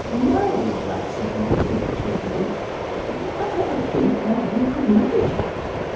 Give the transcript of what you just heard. "No," Ralph said much more cheerfully, "I should think that we could manage that."